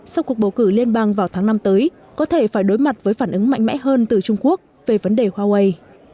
sau cuộc bầu cử liên bang vào tháng năm tới có thể phải đối mặt với phản ứng mạnh mẽ hơn từ trung quốc về vấn đề huawei